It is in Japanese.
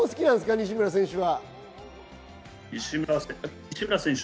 西村選手は。